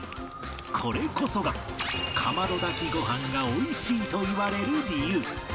これこそがかまど炊きご飯が美味しいと言われる理由